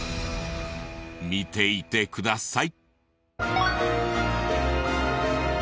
見ていてください。